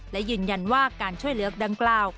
และยืนยันว่าการช่วยเหลือดังกล่าว